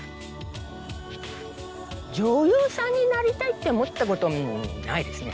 女優さんになりたいって思ったことないですね